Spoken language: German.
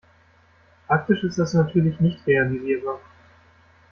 Praktisch ist das natürlich nicht realisierbar.